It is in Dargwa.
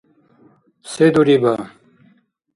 Се дуриба?